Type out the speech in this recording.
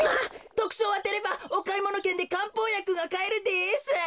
とくしょうをあてればおかいものけんでかんぽうやくがかえるです。